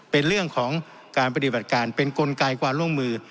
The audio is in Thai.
เป็นเรื่องของการปฏิบัติการเป็นกลไกความร่วมมือ